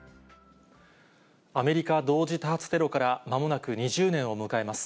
アメリカ同時多発テロからまもなく２０年を迎えます。